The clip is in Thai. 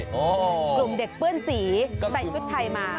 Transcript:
กลุ่มเด็กเปื้อนสีใส่ชุดไทยมา